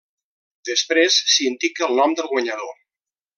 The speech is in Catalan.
Després s'indica el nom del guanyador.